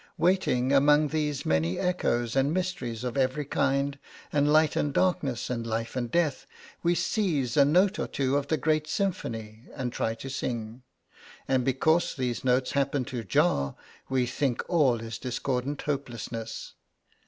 Waiting among these many echoes and mysteries of every kind, and light and darkness, and life and death, we seize a note or two of the great symphony, and try to sing; and because these notes happen to jar, we think all is discordant hopelessness.